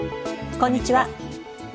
こんにちは。